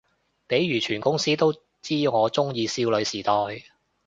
譬如全公司都知我鍾意少女時代